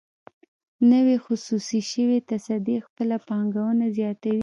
نوې خصوصي شوې تصدۍ خپله پانګونه زیاتوي.